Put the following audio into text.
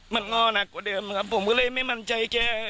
มันง่อนักกว่าเดิมครับผมก็เลยไม่มั่นใจแก